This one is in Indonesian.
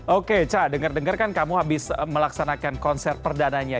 oke caca denger dengarkan kamu habis melaksanakan konser perdananya